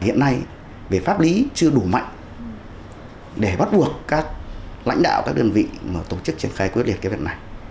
hiện nay về pháp lý chưa đủ mạnh để bắt buộc các lãnh đạo các đơn vị tổ chức trang khai quyết liệt cái vật này